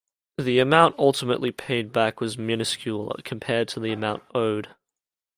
The amount ultimately paid back was minuscule compared to the amount owed.